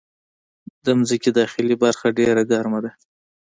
د مځکې داخلي برخه ډېره ګرمه ده.